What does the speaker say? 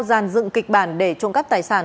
dàn dựng kịch bản để trộm cắp tài sản